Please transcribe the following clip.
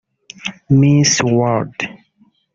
Miss World